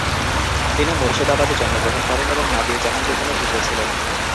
তিনি মুর্শিদাবাদে জন্মগ্রহণ করেন এবং নাদির জাহান বেগমের পুত্র ছিলেন।